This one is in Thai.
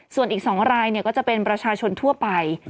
ส่วนอีกสองรายเนี่ยก็จะเป็นประชาชนทั่วไป